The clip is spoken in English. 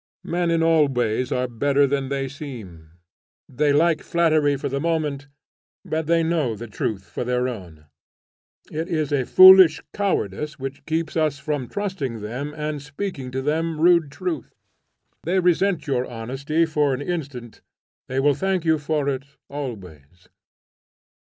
'" Men in all ways are better than they seem. They like flattery for the moment, but they know the truth for their own. It is a foolish cowardice which keeps us from trusting them and speaking to them rude truth. They resent your honesty for an instant, they will thank you for it always.